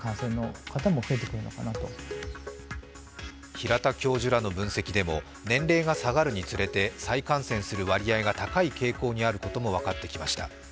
平田教授らの分析でも年齢が下がるにつれて再感染する割合が高い傾向にあることも分かってきました。